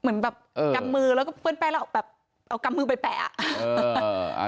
เหมือนแบบกำมือแล้วก็พึ่งไปแล้วแบบเอากำมือไปแปะอ่ะเอออ่า